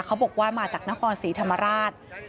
เขาบอกว่ามาจากนครศรีธรรมราช